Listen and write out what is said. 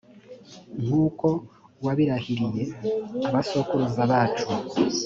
nk’uko wabirahiriye abasokuruza bacu.